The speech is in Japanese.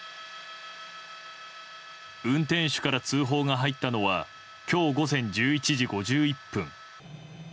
運転手から通報が入ったのは今日午前１１時５１分。